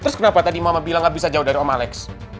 terus kenapa tadi mama bilang gak bisa jauh dari om alex